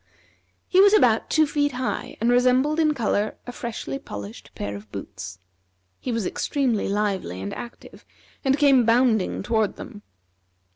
He was about two feet high, and resembled in color a freshly polished pair of boots. He was extremely lively and active, and came bounding toward them.